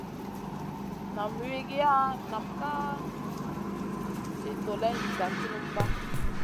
Nam wigiya nam kam ci doleyna diga culumba.